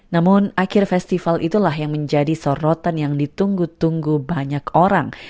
namun akhir festival itulah yang menjadi sorotan yang ditunggu tunggu banyak orang